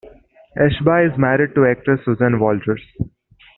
Ashby is married to actress Susan Walters.